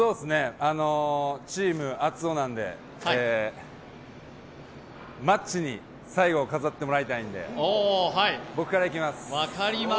チーム熱男なんで、マッチに最後を飾ってもらいたいんで僕からいきます！